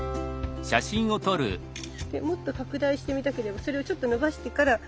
もっと拡大して見たければそれをちょっとのばしてから。